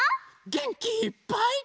げんきいっぱい。